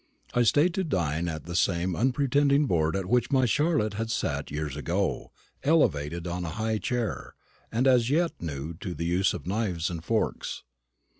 I stayed to dine at the same unpretending board at which my Charlotte had sat years ago, elevated on a high chair, and as yet new to the use of knives and forks.